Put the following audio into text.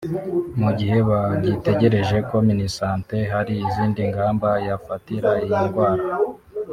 mu gihe bagitegereje ko Minisante hari izindi ngamba yafatira iyi ndwara